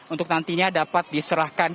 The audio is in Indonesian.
untuk nantinya dapat diserahkan